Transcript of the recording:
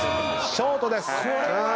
ショートです。